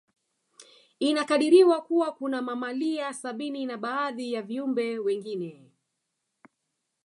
Inakadiriwa Kuwa kuna mamalia sabini na baadhi ya viumbe wengine